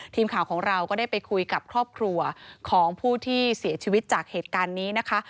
ทีมข่าวของเราก็ได้ไปคุยกับครอบครัวของผู้ที่เสียชีวิตจากเหตุการณ์นี้นะคะ